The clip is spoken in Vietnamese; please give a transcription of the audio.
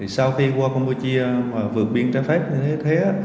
sau khi qua campuchia vượt biến trái phép